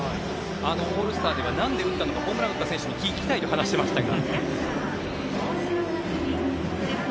オールスターでは何で打ったのかホームランを打った選手に聞きたいと話していましたが。